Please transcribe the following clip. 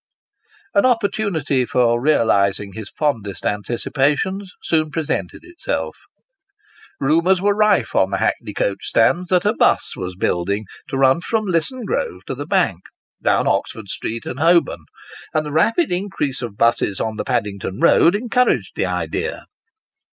An opportunity for realising his fondest anticipations, soon pre sented itself. Eumours were rife on the hackney coach stands, that a buss was building, to run from Lisson Grove to the Bank, down Oxford Street and Holborn ; and the rapid increase of busses on the Paddington Road, encouraged the idea.